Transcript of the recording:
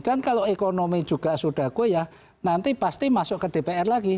dan kalau ekonomi juga sudah goyah nanti pasti masuk ke dpr lagi